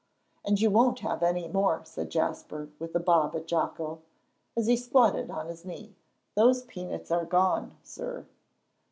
"And you won't have any more," said Jasper, with a bob at Jocko, as he squatted on his knee. "Those peanuts are gone, sir."